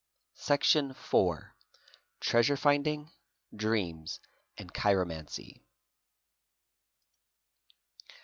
Section iv.—Treasure finding, Dreams, and Chiromancy.